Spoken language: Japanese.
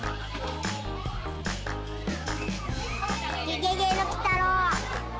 ゲゲゲのきたろう。